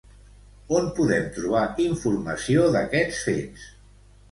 On podem trobar informació d'aquests fets?